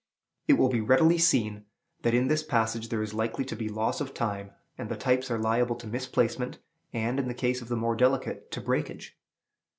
It will readily be seen that in this passage there is likely to be loss of time, and the types are liable to misplacement, and, in the case of the more delicate, to breakage.